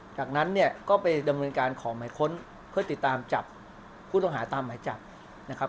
จากนั้นเนี่ยก็ไปดำเนินการขอหมายค้นเพื่อติดตามจับผู้ต้องหาตามหมายจับนะครับ